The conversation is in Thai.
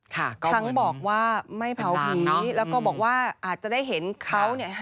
ทั้งบอกว่าไม่เผาผีแล้วก็บอกว่าอาจจะได้เห็นเขาเนี่ย